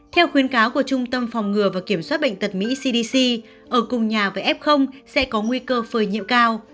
theo khuyến cáo của trung tâm phòng ngừa và kiểm soát bệnh tật mỹ cdc ở cùng nhà với f sẽ có nguy cơ phơi nhiễm cao